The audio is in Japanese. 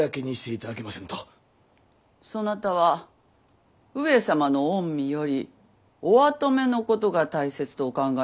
そなたは上様の御身よりお跡目のことが大切とお考えか？